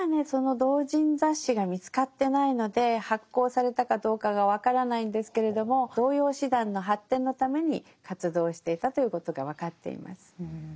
その同人雑誌が見つかってないので発行されたかどうかが分からないんですけれども童謡詩壇の発展のために活動をしていたということが分かっています。